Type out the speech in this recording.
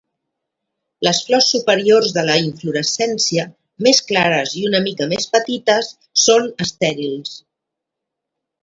Les flors superiors de la inflorescència, més clares i una mica més petites, són estèrils.